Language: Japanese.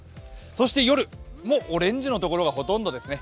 夜もオレンジのところがほとんどですね。